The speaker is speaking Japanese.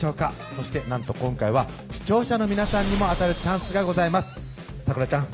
そしてなんと今回は視聴者の皆さんにも当たるチャンスがございます咲楽ちゃん